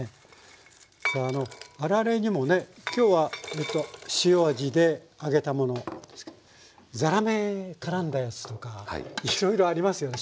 さああのあられにもね今日は塩味で揚げたものですけどざらめからんだやつとかいろいろありますよね